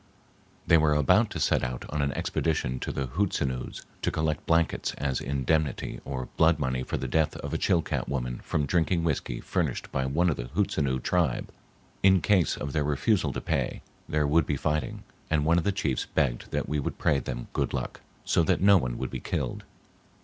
They were about to set out on an expedition to the Hootsenoos to collect blankets as indemnity or blood money for the death of a Chilcat woman from drinking whiskey furnished by one of the Hootsenoo tribe. In case of their refusal to pay, there would be fighting, and one of the chiefs begged that we would pray them good luck, so that no one would be killed.